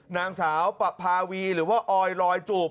นางสาวปะภาวีหรือว่าออยลอยจูบ